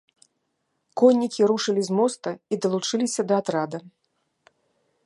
Коннікі рушылі з моста і далучыліся да атрада.